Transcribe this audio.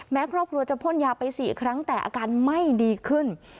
ครอบครัวจะพ่นยาไป๔ครั้งแต่อาการไม่ดีขึ้น